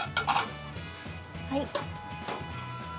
はい。